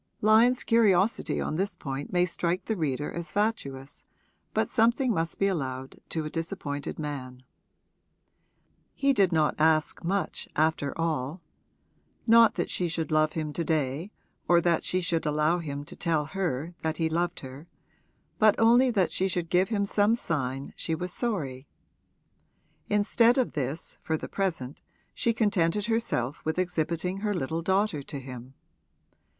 Lyon's curiosity on this point may strike the reader as fatuous, but something must be allowed to a disappointed man. He did not ask much after all; not that she should love him to day or that she should allow him to tell her that he loved her, but only that she should give him some sign she was sorry. Instead of this, for the present, she contented herself with exhibiting her little daughter to him.